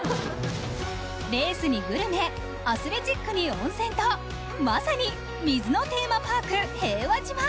レースにグルメ、アスレチックに温泉とまさに水のテーマパーク、平和島。